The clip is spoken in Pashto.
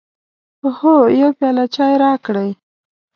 هو، یو پیاله چای راکړئ